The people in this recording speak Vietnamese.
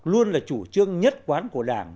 luôn là chủ trương nhất quán của đảng